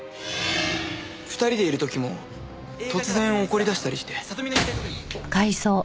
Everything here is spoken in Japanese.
２人でいる時も突然怒り出したりして。